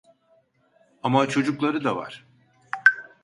Ama çocukları da var.